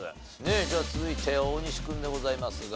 じゃあ続いて大西君でございますが。